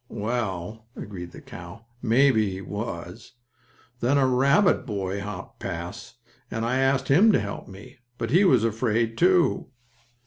"Well," agreed the cow, "maybe he was. Then a rabbit boy hopped past, and I asked him to help me, but he was afraid, too."